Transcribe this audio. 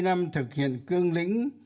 ba mươi năm thực hiện cương lĩnh